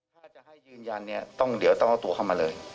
ถ้าจะให้ยืนยันเนี่ยเดี๋ยวต้องเอาตัวเข้ามาเลย